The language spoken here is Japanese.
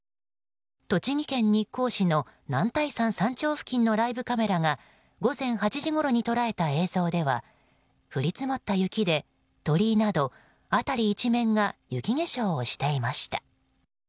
栃木県日光市の男体山山頂付近のライブカメラが午前８時ごろに捉えた映像では降り積もった雪で鳥居など辺り一面が雪化粧をしていました。